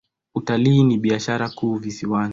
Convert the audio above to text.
Utalii ni biashara kuu visiwani.